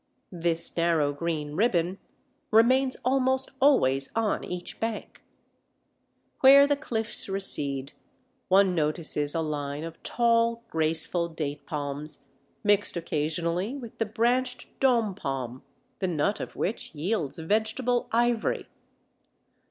This narrow green ribbon remains almost always on each bank. Where the cliffs recede, one notices a line of tall, graceful date palms, mixed occasionally with the branched Dôm palm (the nut of which yields vegetable ivory).